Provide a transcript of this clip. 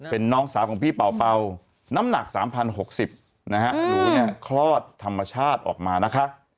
เป็นน้องสาวของพี่เป่าเป่าน้ำหนัก๓๐๖๐นะฮะหนูเนี่ยคลอดธรรมชาติออกมานะคะ